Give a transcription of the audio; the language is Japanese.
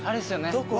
どこ？